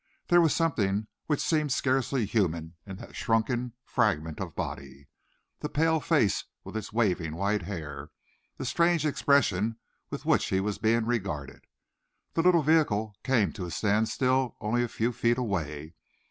There was something which seemed scarcely human in that shrunken fragment of body, the pale face with its waving white hair, the strange expression with which he was being regarded. The little vehicle came to a standstill only a few feet away.